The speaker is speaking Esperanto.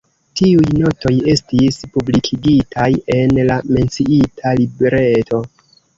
Tiuj notoj estis publikigitaj en la menciita libreto.